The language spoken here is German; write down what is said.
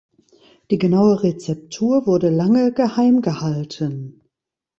Die genaue Rezeptur wurde lange geheim gehalten.